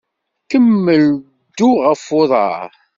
Kemmel ddu ɣef uḍaṛ.